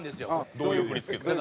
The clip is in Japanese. どういう振り付け？